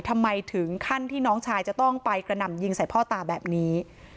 ถึงขั้นที่น้องชายจะต้องไปกระหน่ำยิงใส่พ่อตาแบบนี้